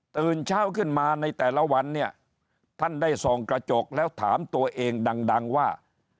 ตื่นเช้าขึ้นมาในแต่ละวันเนี่ยท่านได้ส่องกระจกแล้วถามตัวเองดังว่า